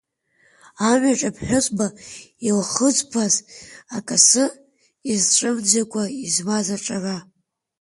Амҩаҿ аԥҳәызба илхызԥааз акасы, изцәымӡакәа измаз аҿара…